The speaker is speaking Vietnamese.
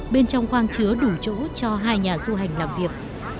bên trong khoang chứa đủ chỗ cho hai nhà du hành làm việc